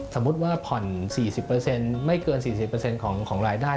สมมุติว่าผ่อน๔๐ไม่เกิน๔๐ของรายได้